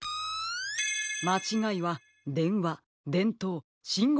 まちがいはでんわでんとうしんごうきの３つです。